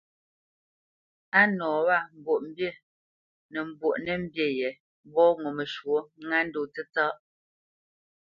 A nɔ wâ Mbwoʼmbî nə mbwoʼnə́ mbî yě mbɔ́ ŋo məshwɔ̌ ŋá ndó tsətsâ .